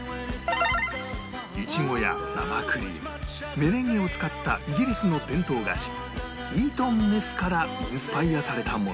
イチゴや生クリームメレンゲを使ったイギリスの伝統菓子イートンメスからインスパイアされたもの